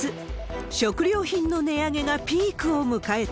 食料品の値上げがピークを迎えた。